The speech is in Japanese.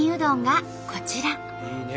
いいね